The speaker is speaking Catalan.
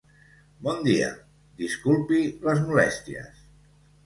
Bon dia, disculpi les molèsties.